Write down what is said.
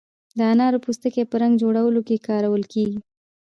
د انارو پوستکی په رنګ جوړولو کې کارول کیږي.